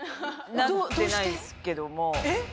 なってないですけども。